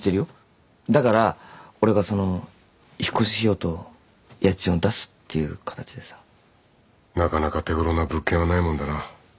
だから俺がその引っ越し費用と家賃を出すっていう形でさ。なかなか手ごろな物件はないもんだな。